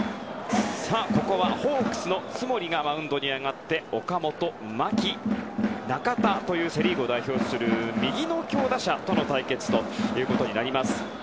ここはホークスの津森がマウンドに上がって岡本、牧、中田というセ・リーグを代表する右の強打者との対決となります。